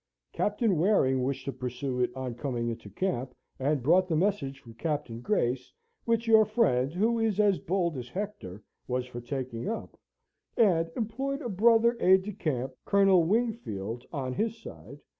Captain Waring wished to pursue it on coming into camp, and brought the message from Captain Grace, which your friend, who is as bold as Hector, was for taking up, and employed a brother aide de camp, Colonel Wingfield, on his side.